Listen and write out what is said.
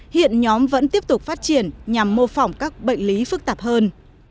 hiện nhóm vẫn tiếp tục phát triển nhằm mô phỏng các bệnh lý phức tạp hơn